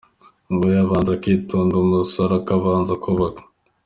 Ngo yabanza akitonda umusore akabanza kubaka.